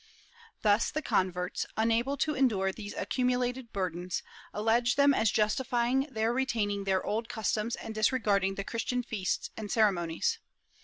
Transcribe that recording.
Thus the converts, unable to endure these accumulated burdens, allege them as justifying their retaining their old customs and disregarding the Christian feasts and ceremonies.